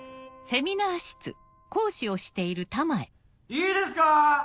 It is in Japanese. いいですか？